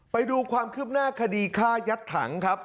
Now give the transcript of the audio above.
ไปดูความคืบหน้าคดีฆ่ายัดถังครับ